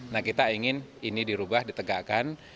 nah kita ingin ini dirubah ditegakkan